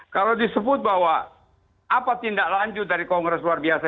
kalau disebut bahwa apa tindak lanjut dari kongres luar biasa